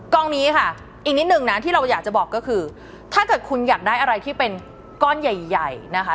กองนี้ค่ะอีกนิดนึงนะที่เราอยากจะบอกก็คือถ้าเกิดคุณอยากได้อะไรที่เป็นก้อนใหญ่ใหญ่นะคะ